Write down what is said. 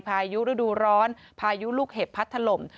พายุฤดูร้อนพายุลูกเห็บพัดถล่ม